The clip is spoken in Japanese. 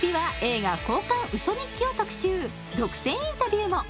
木曜日は独占インタビューも！